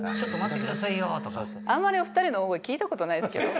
あんまりお２人の大声聞いたことないですけど。